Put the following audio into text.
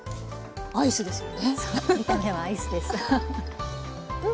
アイスですよね？